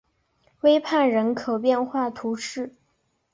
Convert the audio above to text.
威涅人口变化图示